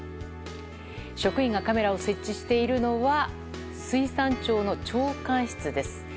職員がカメラを設置しているのは水産庁の長官室です。